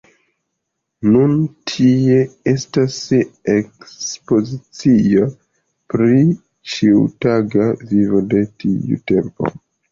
Nun tie estas ekspozicio pri ĉiutaga vivo de tiu tempo.